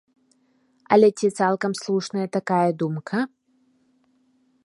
Але ці цалкам слушная такая думка?